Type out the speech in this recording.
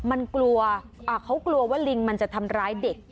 มันกลัวเขากลัวว่าลิงมันจะทำร้ายเด็ก